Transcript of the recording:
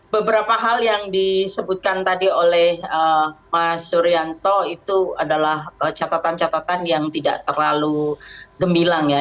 beberapa hal yang disebutkan tadi oleh mas suryanto itu adalah catatan catatan yang tidak terlalu gemilang ya